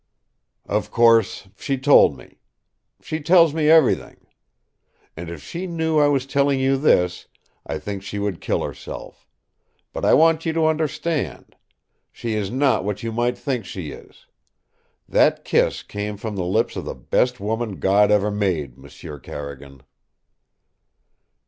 "Of course, she told me. She tells me everything. And if she knew I was telling you this, I think she would kill herself. But I want you to understand. She is not what you might think she is. That kiss came from the lips of the best woman God ever made, M'sieu Carrigan!"